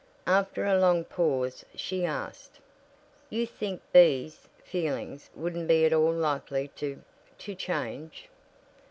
After a long pause she asked: "You think B's feelings wouldn't be at all likely to to change?"